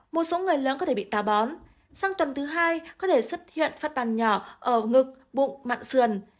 một số người lớn có thể bị ta bón sang tuần thứ hai có thể xuất hiện phát ban nhỏ ở ngực bụng mặn xườn